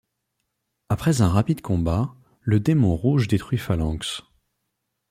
Après un rapide combat, le démon rouge détruit Phalanx.